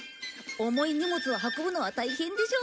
重い荷物を運ぶのは大変でしょ？